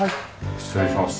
失礼します。